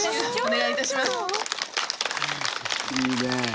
いいね。